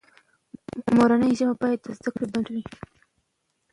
مورنۍ ژبه باید د زده کړې بنسټ وي.